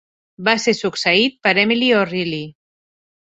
Va ser succeït per Emily O'Reilly.